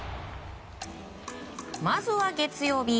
まずは月曜日。